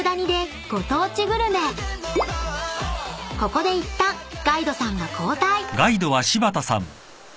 ［ここでいったんガイドさんが交代］